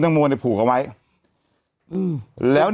แต่หนูจะเอากับน้องเขามาแต่ว่า